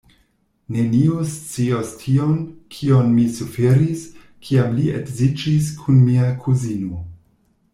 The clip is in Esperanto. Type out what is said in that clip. Neniu scios tion, kion mi suferis, kiam li edziĝis kun mia kuzino.